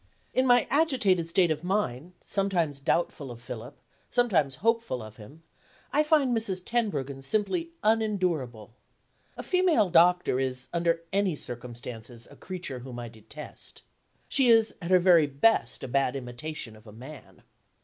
In my agitated state of mind, sometimes doubtful of Philip, sometimes hopeful of him, I find Mrs. Tenbruggen simply unendurable. A female doctor is, under any circumstances, a creature whom I detest. She is, at her very best, a bad imitation of a man.